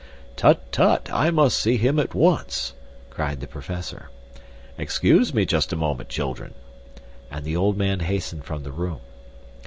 "Tut, tut, I must see him at once!" cried the professor. "Excuse me just a moment, children," and the old man hastened from the room.